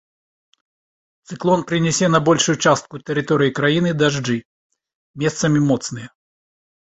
Цыклон прынясе на большую частку тэрыторыі краіны дажджы, месцамі моцныя.